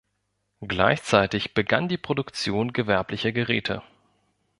Gleichzeitig begann die Produktion gewerblicher Geräte.